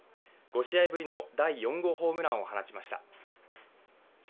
５試合ぶりの第４号ホームランを放ちました。